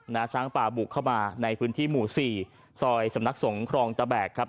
ช้างป่าบุกเข้ามาในพื้นที่หมู่สี่ซอยสำนักสงครองตะแบกครับ